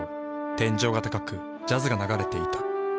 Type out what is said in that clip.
天井が高くジャズが流れていた。